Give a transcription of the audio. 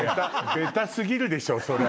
ベタ過ぎるでしょそれ。